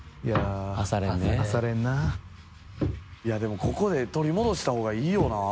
いやでもここで取り戻した方がいいよな。